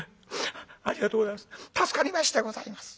ありがとうございます。